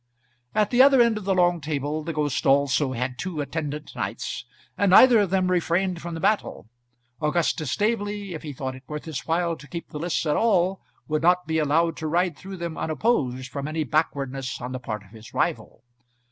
At the other end of the long table the ghost also had two attendant knights, and neither of them refrained from the battle. Augustus Staveley, if he thought it worth his while to keep the lists at all, would not be allowed to ride through them unopposed from any backwardness on the part of his rival.